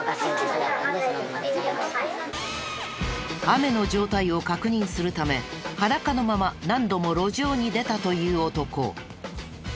雨の状態を確認するため裸のまま何度も路上に出たという男。